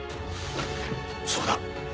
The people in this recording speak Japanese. そうだ。